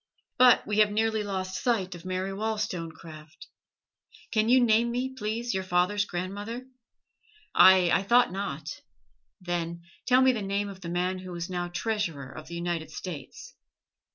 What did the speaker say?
But we have nearly lost sight of Mary Wollstonecraft. Can you name me, please, your father's grandmother? Aye, I thought not; then tell me the name of the man who is now Treasurer of the United States!